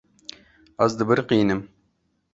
Ez dibiriqînim.